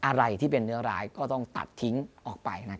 อะไรที่เป็นเนื้อร้ายก็ต้องตัดทิ้งออกไป